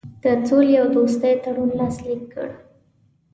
د سولي او دوستي تړون لاسلیک کړ.